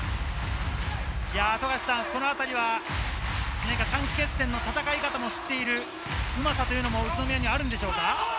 このあたりは短期決戦の戦い方も知ってる、うまさというのが宇都宮にはあるんでしょうか？